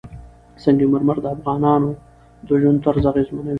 سنگ مرمر د افغانانو د ژوند طرز اغېزمنوي.